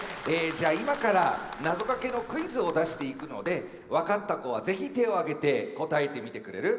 じゃあ今からなぞかけのクイズを出していくので分かった子は是非手を挙げて答えてみてくれる？